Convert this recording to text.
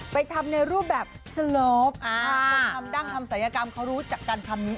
ทำในรูปแบบสโลปคนทำดั้งทำศัยกรรมเขารู้จักกันคำนี้